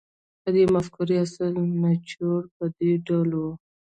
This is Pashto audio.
د دې مفکورې اصلي نچوړ په دې ډول و